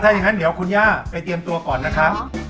ถ้าอย่างงั้นคุณย่าไปเตรียมตัวก่อนนะคะ